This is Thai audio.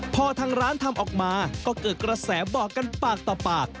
พอทางร้านทำออกมาก็เกิดกระแสบอกกันปากต่อปาก